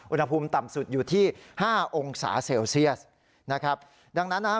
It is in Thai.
อุณหภูมิต่ำสุดอยู่ที่ห้าองศาเซลเซียสนะครับดังนั้นนะฮะ